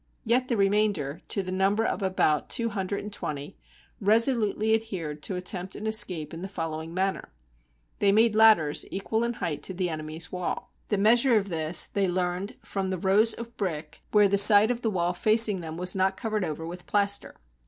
Yet the remainder, to the number of about two hundred and twenty, resolutely adhered to attempt an escape in the following manner: — They made ladders equal in height to the enemy's wall. The measure of this they learned from the rows of 159 GREECE brick, where the side of the wall facing them was not covered over with plaster.